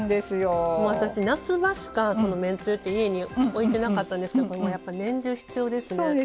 私、夏場しか、めんつゆって家に置いてなかったんですけどこれ、年中必要ですね。